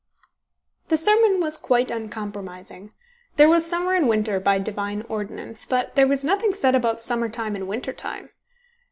The sermon was quite uncompromising. There was summer and winter, by Divine ordinance, but there was nothing said about summer time and winter time.